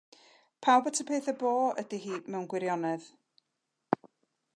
Pawb at y peth y bo ydi hi mewn gwirionedd.